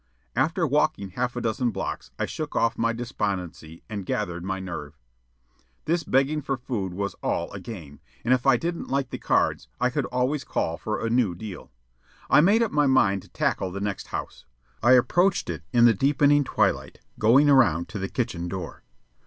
After walking half a dozen blocks I shook off my despondency and gathered my "nerve." This begging for food was all a game, and if I didn't like the cards, I could always call for a new deal. I made up my mind to tackle the next house. I approached it in the deepening twilight, going around to the kitchen door.